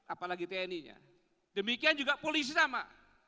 apalagi tni nya demikian juga polisi sama